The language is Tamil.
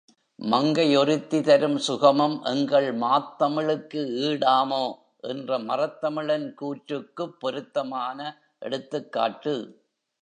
மங்கை ஒருத்தி தரும் சுகமும் எங்கள் மாத்தமிழுக்கு ஈடாமோ? என்ற மறத்தமிழன் கூற்றுக்குப் பொருத்தமான எடுத்துக்காட்டு!